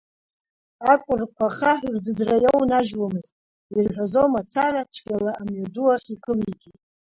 Акәырқәа ахаҳә рдыдра иоунажьуамызт, ирҳәазо мацара, цәгьала амҩаду ахь икылигеит.